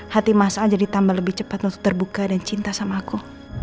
hati masa jadi tambah lebih cepat untuk terbuka dan cinta sama aku